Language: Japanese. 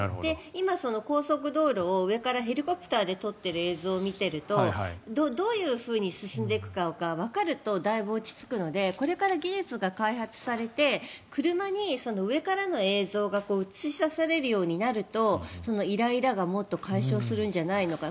今、高速道路を上からヘリコプターで撮っている映像を見ているとどういうふうに進んでいくかがわかるとだいぶ落ち着くのでこれから技術が回復されて車に上からの映像が映し出されるようになるとイライラがもっと解消するんじゃないのか。